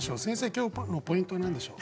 今日のポイントは何でしょう？